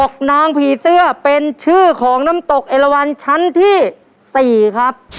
นางผีเสื้อเป็นชื่อของน้ำตกเอลวันชั้นที่๔ครับ